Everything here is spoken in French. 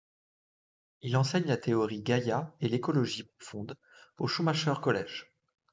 Il enseigne la théorie Gaïa et l'écologie profonde au Schumacher College.